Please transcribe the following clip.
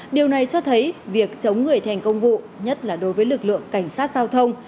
điều này cho thấy việc chống người thành công vụ nhất là đối với lực lượng cảnh sát giao thông